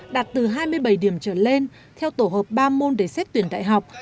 đạt từ hai mươi bảy điểm trở lên theo tổ hợp ba môn để xét tuyển đại học